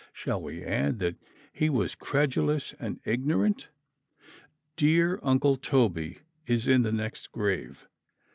Shall we add that he was credulous and ignorant? Dear Uncle Toby is in the next grave.